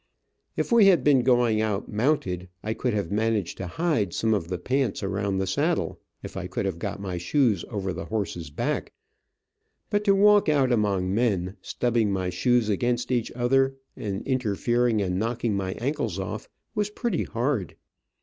If we had been going out mounted, I could have managed to hide some of the pants around the saddle, if I could have got my shoe over the horse's back, but to walk out among men, stubbing my shoes against each other, and interfering and knocking my ankles off, was pretty hard.